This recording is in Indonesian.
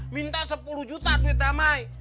minta sepuluh juta tweet damai